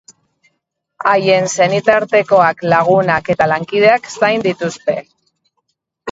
Haien senitartekoak, lagunak eta lankideak zain dituzte.